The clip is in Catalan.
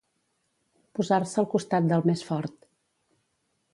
Posar-se al costat del més fort.